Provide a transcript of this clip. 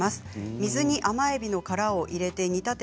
水に甘えびの殻を入れて煮立てて